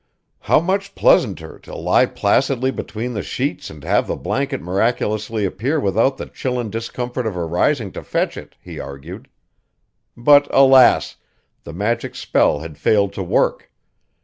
How much pleasanter to lie placidly between the sheets and have the blanket miraculously appear without the chill and discomfort of arising to fetch it, he argued! But alas! the magic spell had failed to work.